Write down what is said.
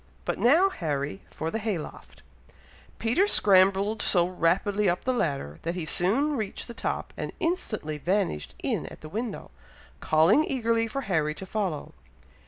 But now, Harry, for the hay loft." Peter scrambled so rapidly up the ladder, that he soon reached the top, and instantly vanished in at the window, calling eagerly for Harry to follow.